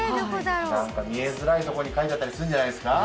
何か見えづらいとこに書いてあったりするんじゃないですか？